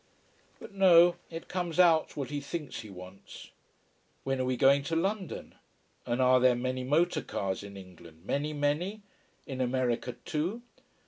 But no, it comes out, what he thinks he wants. When are we going to London? And are there many motor cars in England? many, many? In America too?